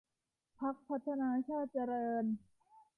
พรรคพัฒนาชาติเจริญ